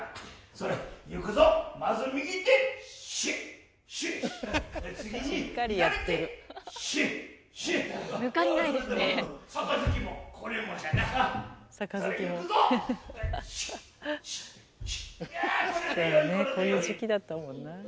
そうだねこういう時期だったもんなあ。